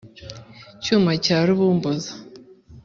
cyuma cya rubumboza